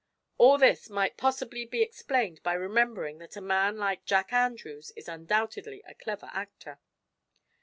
All this might possibly be explained by remembering that a man like Jack Andrews is undoubtedly a clever actor."